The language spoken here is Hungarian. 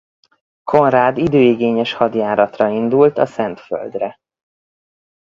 Konrád időigényes hadjáratra indult a Szentföldre.